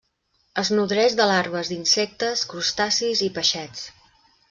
Es nodreix de larves d'insectes, crustacis i peixets.